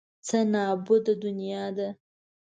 څه نابوده دنیا ده.